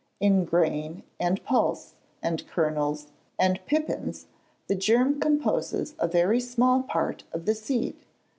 In grain, and pulse, and kernels, and pipins, the germ composes a very small part of the seed.